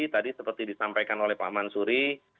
tadi seperti disampaikan oleh pak mansuri